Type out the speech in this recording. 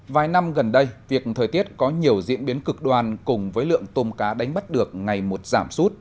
vài năm gần đây việc thời tiết có nhiều diễn biến cực đoan cùng với lượng tôm cá đánh bắt được ngày một giảm sút